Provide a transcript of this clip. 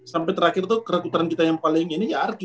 sampai terakhir itu kerekuteran kita yang paling ini ya arki